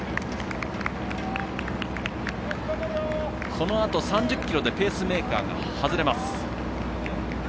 このあと、３０ｋｍでペースメーカーが外れます。